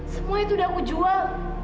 semua itu udah aku jual